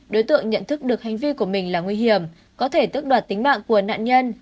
đối tượng nhận thức được hành vi của mình là nguy hiểm có thể tức đoạt tính mạng của nạn nhân